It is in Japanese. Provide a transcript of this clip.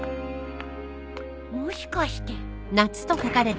もしかして。